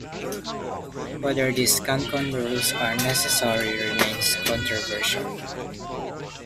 Whether these 'Cancon' rules are necessary remains controversial.